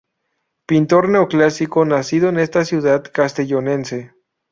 Pintor neoclásico nacido en esta ciudad castellonense.